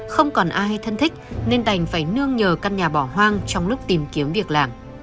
không còn ai hay thân thích nên đành phải nương nhờ căn nhà bỏ hoang trong lúc tìm kiếm việc làm